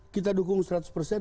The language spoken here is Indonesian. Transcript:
kita dukung seratus persen